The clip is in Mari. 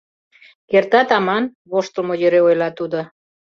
— Кертат аман! — воштылмо йӧре ойла тудо.